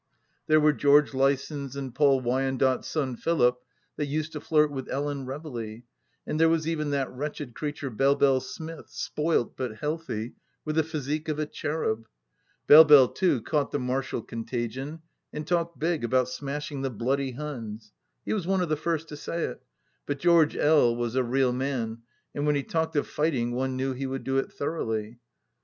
There were 160 THE LAST DITCH George Lysons and Paul Wyandotte's son Philip that used to flirt with Ellen Reveley; and there was even that wretched creature Belle Belle Smith, spoilt but healthy, with the physique of a cherub. Belle Belle, too, caught the martial contagion, and talked big about " smashing the b y Hims." He was one of the first to say it. But George L. was a real man, and when he talked of fighting one faiew he would do it thoroughly.